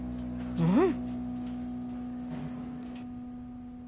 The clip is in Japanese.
うん。